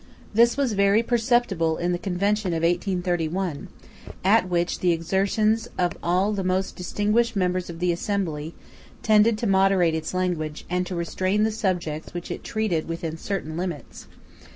This was very perceptible in the Convention of 1831, at which the exertions of all the most distinguished members of the Assembly tended to moderate its language, and to restrain the subjects which it treated within certain limits.